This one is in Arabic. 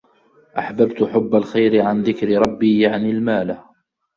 أَحْبَبْتُ حُبَّ الْخَيْرِ عَنْ ذِكْرِ رَبِّي يَعْنِي الْمَالَ